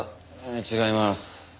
違います。